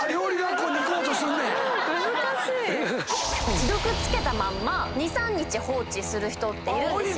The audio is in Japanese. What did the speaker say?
既読つけたまんま２３日放置する人っているんですよ。